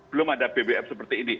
belum ada bbm seperti ini